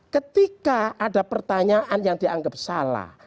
ketika ada pertanyaan yang dianggap salah